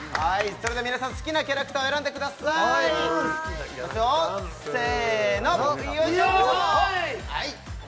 それでは皆さん好きなキャラクターを選んでくださいいきますよせーのよいしょ！